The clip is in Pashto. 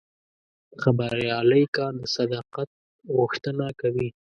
د خبریالۍ کار د صداقت غوښتنه کوي.